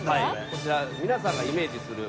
こちら皆さんがイメージする。